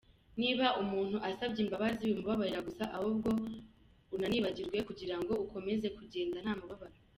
Niba umuntu asabye imbabazi, wimubabarira gusa ahubwo unanibagirwe kugira ngo ukomeze kugenda nta mubabaro.